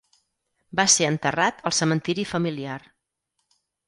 Va ser enterrat al cementiri familiar.